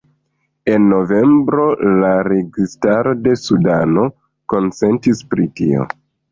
En novembro la registaro de Sudano konsentis pri tio.